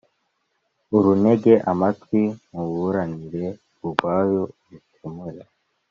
urantege amatwi nkuburanire urwayo, urukemure,